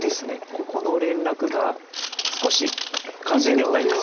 ここの連絡が少し完全ではないんです。